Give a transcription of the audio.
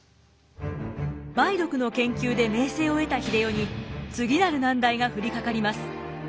梅毒の研究で名声を得た英世に次なる難題が降りかかります。